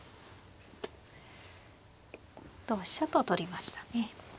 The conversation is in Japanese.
同飛車と取りましたね。